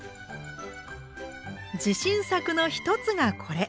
自信作の一つがこれ。